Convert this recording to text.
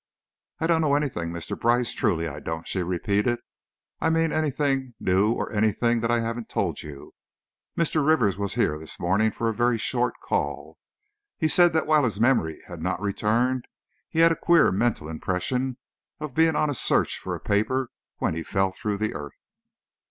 "I don't know anything, Mr. Brice, truly I don't," she repeated. "I mean, anything new or anything that I haven't told you. Mr. Rivers was here this morning for a very short call. He said that while his memory had not returned, he had a queer mental impression of being on a search for a paper when he fell through the earth."